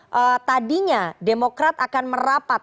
seharusnya demokrat akan merapat